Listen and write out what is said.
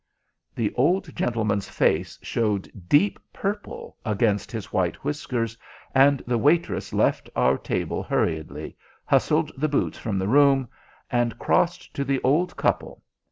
The old gentleman's face showed deep purple against his white whiskers, and the waitress left our table hurriedly, hustled the boots from the room, and crossed to the old couple.